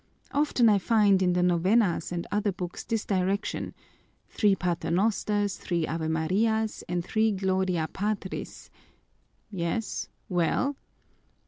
Often I find in the novenas and other books this direction: three paternosters, three Ave Marias, and three Gloria Patris " "Yes, well?"